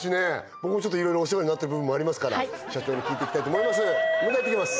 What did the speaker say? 僕もいろいろお世話になってる部分もありますから社長に聞いていきたいと思います